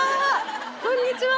こんにちは。